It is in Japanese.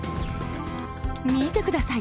見てください。